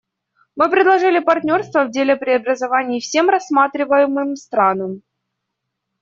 Мы предложили партнерство в деле преобразований всем рассматриваемым странам.